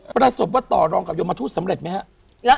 ประสบว่าต่อรองกับยมทูตสำเร็จไหมครับ